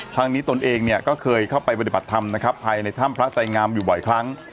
ทางนี้ตนเองเนี่ยก็เคยเข้าไปปฏิบัติธรรมนะครับภายในถ้ำพระไสงามอยู่บ่อยครั้ง